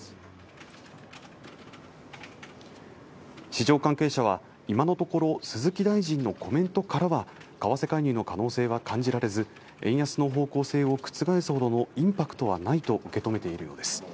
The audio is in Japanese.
市場関係者は今のところ鈴木大臣のコメントからは為替介入の可能性は感じられず円安の方向性を覆すほどのインパクトはないと受け止めているようです